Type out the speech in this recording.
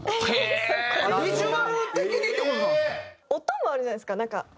音もあるんじゃないですか。